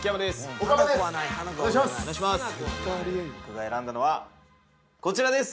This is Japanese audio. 僕が選んだのはこちらです！